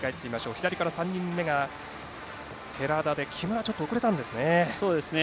左から３人目が寺田で木村がちょっと遅れたんですね。